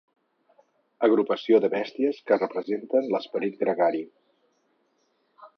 Agrupació de bèsties que representen l'esperit gregari.